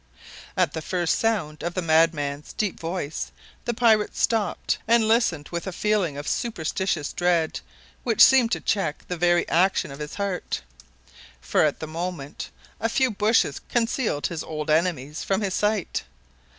At the first sound of the madman's deep voice, the pirate stopped and listened with a feeling of superstitious dread which seemed to check the very action of his heart for, at the moment, a few bushes concealed his old enemy from his sight.